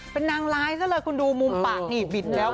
เป็นนางร้ายซะเลยคุณดูมุมปากนี่บินแล้ว